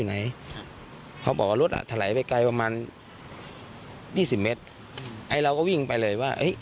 ไอเราก็วิ่งไปเลยว่า